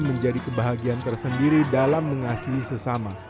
menjadi kebahagiaan tersendiri dalam mengasihi sesama